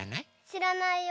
しらないよ。